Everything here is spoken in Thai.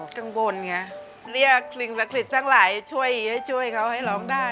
บึกจะต้อนรองบ่นเขนเนี่ยเรียกลิงฬักฤทธิ์จังหลายช่วยให้ช่วยเขาให้ร้องได้